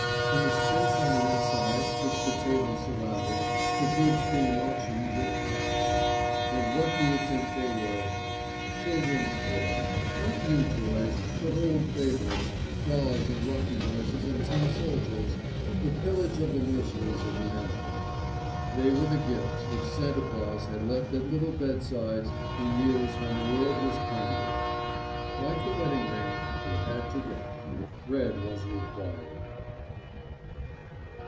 In the space on the inside, which the table surrounded, the goods being auctioned were piled. And what do you think they were? Children's toys. Not new toys, but old favorites—dolls and rocking horses and tin soldiers, the pillage of the nurseries of Vienna. They were the gifts which Santa Claus had left at little bedsides in years when the world was kinder. Like the wedding ring, they had to go. Bread was required.